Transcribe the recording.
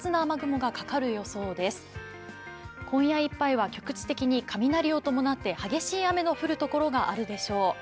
今夜いっぱいは局地的に雷を伴って激しい雨の降る所があるでしょう。